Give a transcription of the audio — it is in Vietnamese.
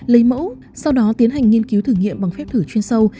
lấy mẫu sau đó tiến hành nghiên cứu thử nghiệm bằng phép thử chuyên sâu